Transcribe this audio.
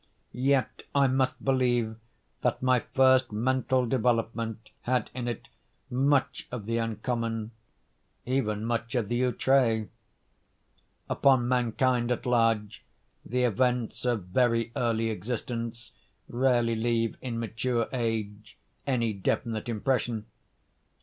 Yet I must believe that my first mental development had in it much of the uncommon—even much of the outré. Upon mankind at large the events of very early existence rarely leave in mature age any definite impression.